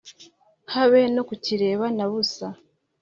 habe no kukireba na busa